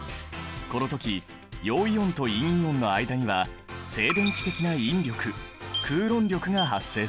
この時陽イオンと陰イオンの間には静電気的な引力クーロン力が発生する。